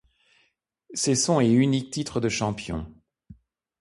C’est son et unique titre de champion.